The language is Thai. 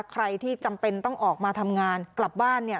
ใครที่จำเป็นต้องออกมาทำงานกลับบ้านเนี่ย